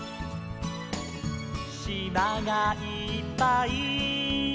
「しまがいっぱい」